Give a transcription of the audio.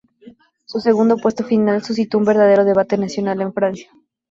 Su segundo puesto final suscitó un verdadero debate nacional en Francia.